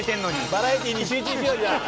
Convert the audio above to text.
バラエティに集中しようじゃあ。